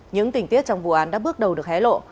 những tình tiết trong vụ án đã bước đầu được hé lộ